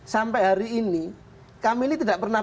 sampai hari ini kami ini tidak pernah